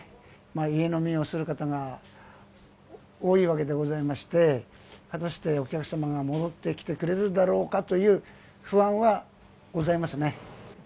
家飲みをする方が多いわけでございまして、果たしてお客様が戻ってきてくれるだろうかという不安はございま